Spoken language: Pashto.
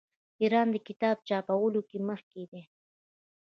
ایران د کتاب چاپولو کې مخکې دی.